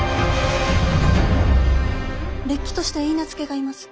れっきとした許婚がいます。